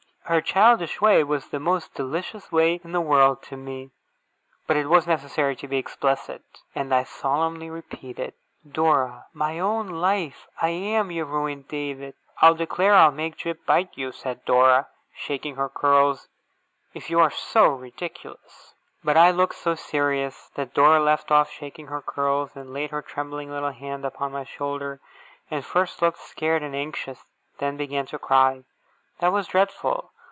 Her childish way was the most delicious way in the world to me, but it was necessary to be explicit, and I solemnly repeated: 'Dora, my own life, I am your ruined David!' 'I declare I'll make Jip bite you!' said Dora, shaking her curls, 'if you are so ridiculous.' But I looked so serious, that Dora left off shaking her curls, and laid her trembling little hand upon my shoulder, and first looked scared and anxious, then began to cry. That was dreadful.